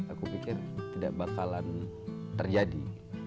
aku pikir tidak bakalan terjadi